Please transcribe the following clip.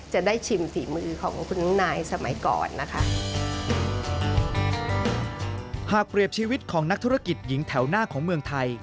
หากเปรียบชีวิตของนักธุรกิจหญิงแถวหน้าของเมืองไทย